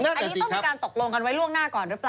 อันนี้ต้องมีการตกลงกันไว้ล่วงหน้าก่อนหรือเปล่า